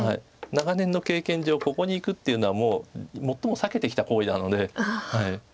長年の経験上ここにいくっていうのはもう最も避けてきた行為なので。